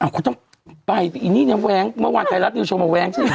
คุณต้องไปไปอีนี่นะแว้งเมื่อวานไทยรัฐนิวโชว์มาแว้งใช่ไหม